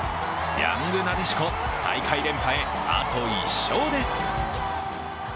ヤングなでしこ、大会連覇へあと１勝です。